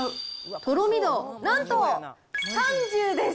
とろみ度、なんと３０です。